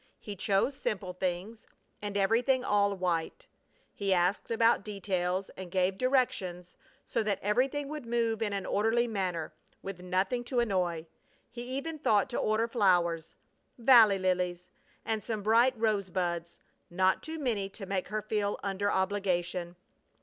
He chose simple things and everything all white. He asked about details and gave directions so that everything would move in an orderly manner, with nothing to annoy. He even thought to order flowers, valley lilies, and some bright rosebuds, not too many to make her feel under obligation.